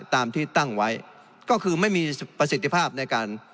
ตามที่ตั้งไว้ก็คือไม่มีประสิทธิภาพในการ